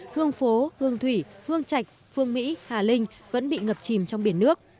hương phố hương thủy hương trạch phương mỹ hà linh vẫn bị ngập chìm trong biển nước